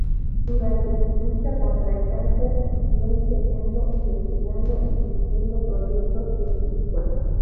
Durante su lucha contra el cáncer, siguió enseñando, investigando y dirigiendo proyectos científicos.